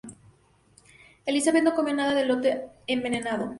Elizabeth no comió nada del lote envenenado.